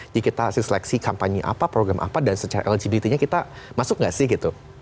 jadi kita seleksi kampanye apa program apa dan secara lgbt nya kita masuk gak sih gitu